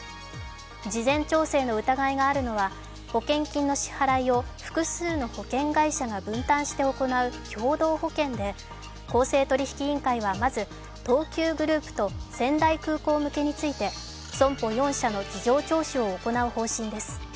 事前調整の疑いがあるのは保険金の支払いを複数の保険会社が分担して行う共同保険で公正取引委員会は、まず、東急グループと仙台空港向けについて損保４社の事情聴取を行う方針です